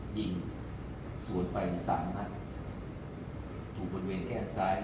ยิงสวนไป๓นักถูกบนเวนแค่อันซ้าย